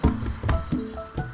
ya udah deh